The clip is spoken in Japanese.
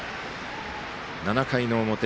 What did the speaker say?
７回の表。